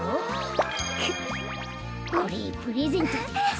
これプレゼントです。